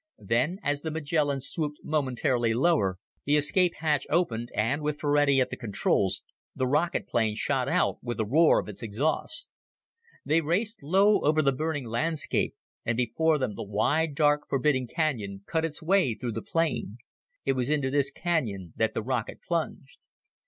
Then, as the Magellan swooped momentarily lower, the escape hatch opened and, with Ferrati at the controls, the rocket plane shot out with a roar of its exhausts. They raced low over the burning landscape, and before them the wide, dark, forbidding canyon cut its way through the plain. It was into this canyon that the rocket plunged.